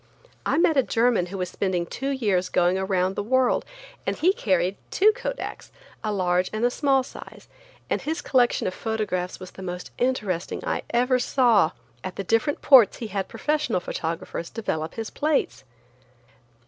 I met a German who was spending two years going around the world and he carried two Kodaks, a large and a small size, and his collection of photographs was the most interesting I ever saw. At the different ports he had professional photographers develop his plates.